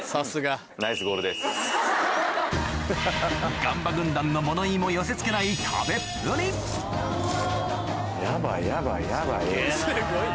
ガンバ軍団の物言いも寄せ付けないすごいね。